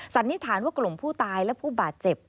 สันนิษฐานว่ากลุ่มผู้ตายและผู้บาดเจ็บ